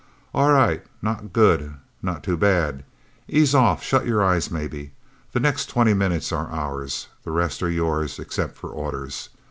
"All right not good, not too bad. Ease off shut your eyes, maybe. The next twenty minutes are ours. The rest are yours, except for orders.